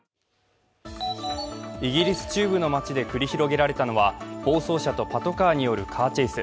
イギリス中部の街で繰り広げられたのは暴走車とパトカーによるカーチェイス。